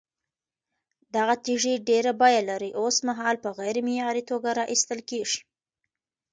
دغه تېږې ډېره بيه لري، اوسمهال په غير معياري توگه راايستل كېږي،